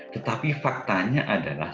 tetapi faktanya adalah